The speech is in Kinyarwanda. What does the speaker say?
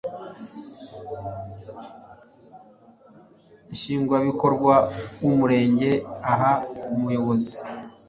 nshingwabikorwa w umurenge aha umuyobozi